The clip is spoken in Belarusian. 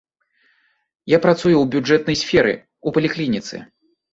Я працую ў бюджэтнай сферы, у паліклініцы.